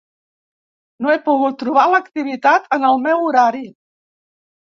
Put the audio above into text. No he pogut trobar l'activitat en el meu horari.